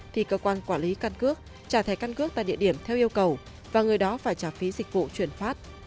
thì cơ quan quản lý căn cước trả thẻ căn cước tại địa điểm theo yêu cầu và người đó phải trả phí dịch vụ chuyển phát